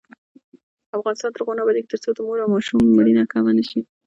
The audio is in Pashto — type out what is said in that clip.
افغانستان تر هغو نه ابادیږي، ترڅو د مور او ماشوم مړینه کمه نشي.